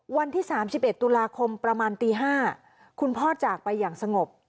วันที่๓๑ตุลาคมประมาณตี๕คุณพ่อจากไปอย่างสงบ